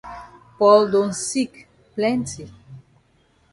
Paul don sick plenti.